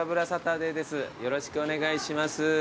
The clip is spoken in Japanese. よろしくお願いします。